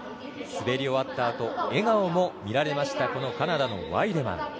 滑り終わったあと笑顔も見られましたカナダのワイデマン。